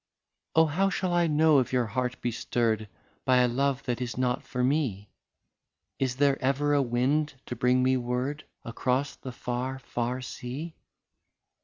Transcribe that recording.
" Oh ! how shall I know if your heart be stirred By a love that is not for me ; Is there ever a wind to bring me word, Across the far, far sea